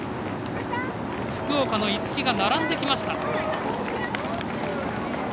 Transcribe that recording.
福岡の逸木が並んできました。